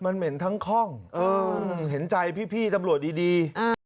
มันเหม็นทั้งคล่องเห็นใจพี่ตำรวจดี